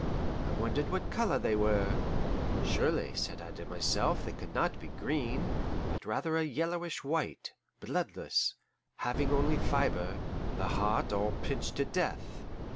I wondered what colour they were. Surely, said I to myself, they can not be green, but rather a yellowish white, bloodless, having only fibre, the heart all pinched to death.